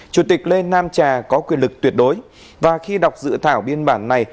chủ tịch lê nam trà có quyền lực tuyệt đối và khi đọc dự thảo biên bản này